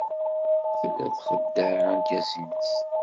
Tella txeddeɛ argaz-nnes.